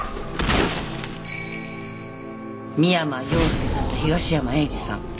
三山陽介さんと東山栄治さん。